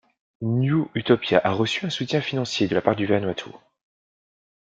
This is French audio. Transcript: New Utopia a reçu un soutien financier de la part du Vanuatu.